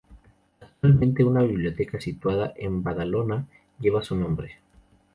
Actualmente una biblioteca situada en Badalona lleva su nombre.